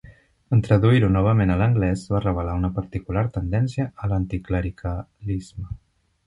En traduir-ho novament a l'anglès, va revelar una particular tendència a l'anticlericalisme.